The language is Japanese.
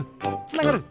つながる！